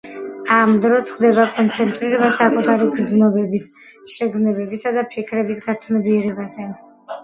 ამ დროს ხდება კონცენტრირება საკუთარი გრძნობების, შეგრძნებებისა და ფიქრების გაცნობიერებაზე.